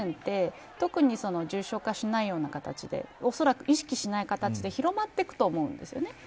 だから、自然感染って特に重症化しないような形でおそらく、意識しない形で広まっていくと思うんです。